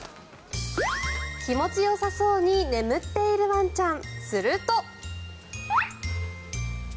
気持ちよさそうに眠っているワンちゃん。